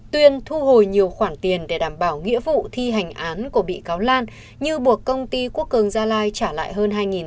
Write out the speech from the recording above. tuyên thu hồi nhiều khoản tiền để đảm bảo nghĩa vụ thi hành án của bị cáo lan như buộc công ty quốc cường gia lai trả lại hơn hai tỷ đồng